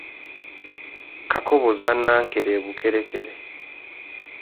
Kakoboza Nankere e Bukerekere.